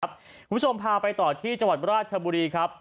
คุณผู้ชมพาไปต่อที่จังหวัดราชบุรีครับ